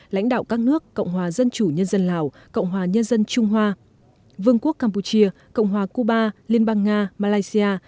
lãnh đạo các nước cộng hòa dân chủ nhân dân lào cộng hòa nhân dân trung hoa vương quốc campuchia cộng hòa cuba liên bang nga malaysia